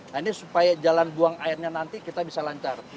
nah ini supaya jalan buang airnya nanti kita bisa lancar